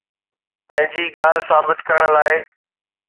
پنهنجي ڳالهه ثابت ڪرڻ لاءِ